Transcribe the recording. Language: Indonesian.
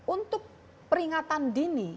untuk peringatan dini